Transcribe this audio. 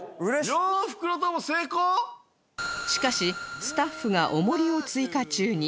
しかしスタッフが重りを追加中に